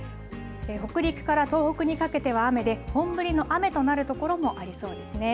北陸から東北にかけては雨で、本降りの雨となる所もありそうですね。